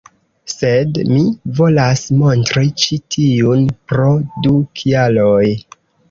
Sed mi volas montri ĉi tiun pro du kialoj